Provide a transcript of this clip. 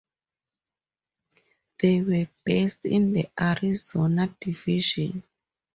They were based in the Arizona Division.